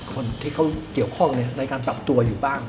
คนที่เขาเกี่ยวข้องในการปรับตัวอยู่บ้าง